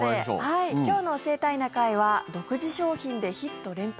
今日の「教えたいな会」は独自商品でヒット連発！